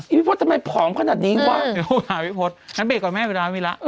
อีพี่โพสต์ทำไมฟ้องขนาดนี้ว่ะเออเอาล่ะพี่โพสต์ฉันเบรกก่อนแม่เวลาไม่มีแล้ว